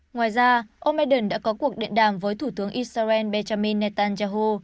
ngoài ra ông biden đã có cuộc điện đàm với thủ tướng israel benjamin netanyahu